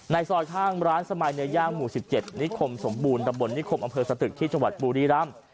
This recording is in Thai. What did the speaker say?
ในซอดข้างร้านสมัยเนย่างหมู่สิบเจ็ดนิคมสมบูรณ์ดำบลนิคมอำเภอสตึกที่จังหวัดปูรีร่ำ